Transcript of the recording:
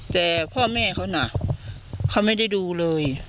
แต่พ่อแม่เขาน่ะเขาไม่ได้ดูเลย